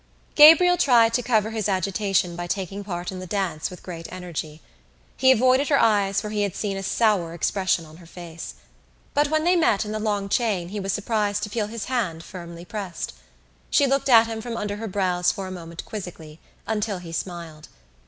Gabriel tried to cover his agitation by taking part in the dance with great energy. He avoided her eyes for he had seen a sour expression on her face. But when they met in the long chain he was surprised to feel his hand firmly pressed. She looked at him from under her brows for a moment quizzically until he smiled.